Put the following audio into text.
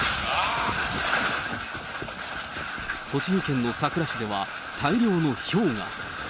栃木県のさくら市では大量のひょうが。